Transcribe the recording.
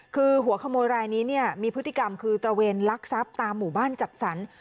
คือหัวขโมยรายนี้มีพฤติกรรมคือตระเวนลักทรัพย์ตามหมู่บ้านจัดสรร